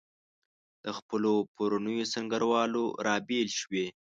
له خپلو پرونیو سنګروالو رابېل شوي.